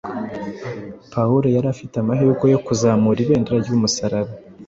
Pawulo yari afite amahirwe yo kuzamura ibendera ry’umusaraba